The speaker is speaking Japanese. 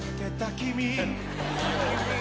「君」。